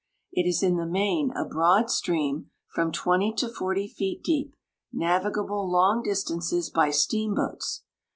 It is in the main a broad stream, from 20 to 40 feet deep, navigable long distances by steamboats.